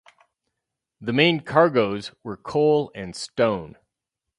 The main cargoes were coal and stone.